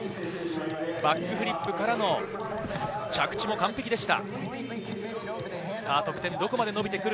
バックフリップからの着地も完璧でした。